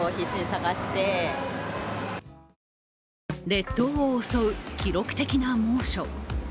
列島を襲う記録的な猛暑。